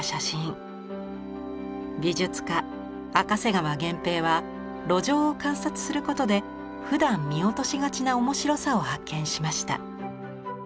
美術家赤瀬川原平は路上を観察することでふだん見落としがちな面白さを発見しました。